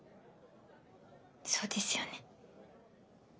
そうですよね。